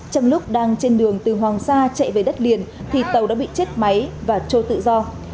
trong lúc đang trên đường từ hoàng sa chạy về đất liền thì tàu đã bị chết máy và trôi tự do